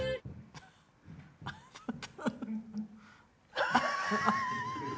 ハハハハハ。